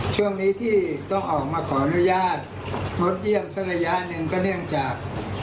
ช่วงนี้ที่ต้องออกมาขออนุญาตงดเยี่ยมสักระยะหนึ่งก็เนื่องจาก